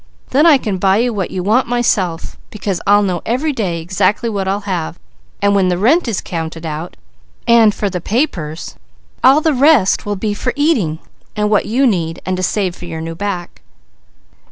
Then I can buy you what you want myself, because I'll know every day exactly what I'll have, and when the rent is counted out, and for the papers, all the rest will be for eating, and what you need, and to save for your new back."